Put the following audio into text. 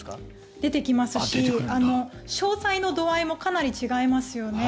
出てきますし詳細の度合いもかなり違いますよね。